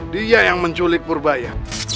dia yang menculik purbaya